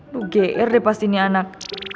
gue geer deh pas ini anak